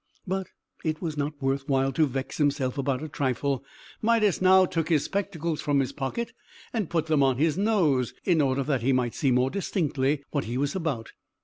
But it was not worth while to vex himself about a trifle. Midas now took his spectacles from his pocket, and put them on his nose, in order that he might see more distinctly what he was about.